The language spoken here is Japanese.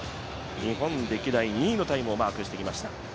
日本歴代２位のタイムをマークしてきました。